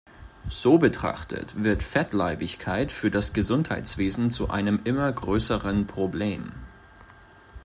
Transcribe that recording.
So betrachtet, wird Fettleibigkeit für das Gesundheitswesen zu einem immer größeren Problem.